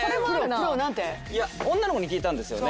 女の子に聞いたんですよね。